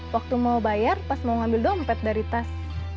waktu mau bayar pas mau ngambil dompet dari tas